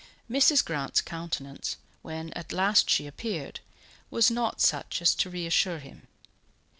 Mrs. Grant's countenance, when at last she appeared, was not such as to reassure him.